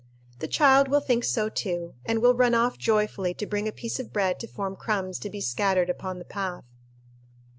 The child will think so too, and will run off joyfully to bring a piece of bread to form crumbs to be scattered upon the path.